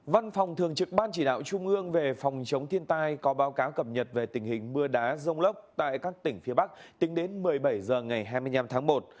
văn phòng thường trực ban chỉ đạo trung ương về phòng chống thiên tai có báo cáo cập nhật về tình hình mưa đá rông lốc tại các tỉnh phía bắc tính đến một mươi bảy h ngày hai mươi năm tháng một